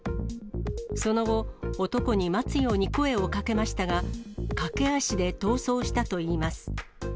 その後、男に待つように声をかけましたが、駆け足で逃走したといいます。